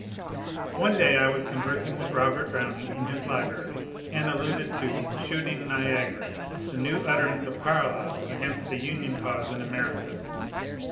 One day I was conversing with Robert Browning in his library and alluded to ^* Shooting Niagara," the new utter ance of Carlyle against the Union cause in America.